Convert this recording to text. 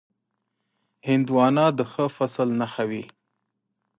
هندوانه د ښه فصل نښه وي.